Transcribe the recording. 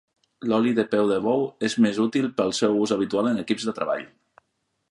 L'oli de peu de bou és més útil pel seu ús habitual en equips de treball.